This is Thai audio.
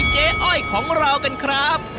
อ้อยของเรากันครับ